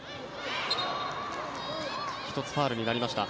１つ、ファウルになりました。